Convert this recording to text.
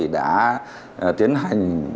đã tiến hành